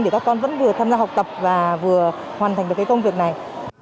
thì các con vẫn vừa tham gia học tập và vừa hoàn thành được cái công việc này